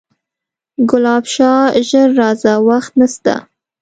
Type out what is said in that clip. ګلاب شاه ژر راځه وخت نسته